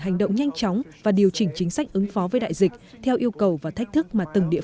hành động nhanh chóng và điều chỉnh chính sách ứng phó với đại dịch theo yêu cầu và thách thức mà từng địa